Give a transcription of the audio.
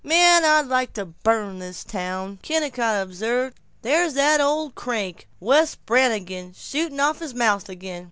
Man, I'd like to burn this town!" Kennicott observed, "There's that old crank Wes Brannigan shooting off his mouth again.